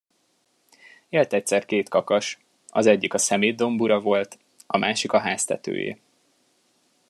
Élt egyszer két kakas; az egyik a szemétdomb ura volt, a másik a háztetőé.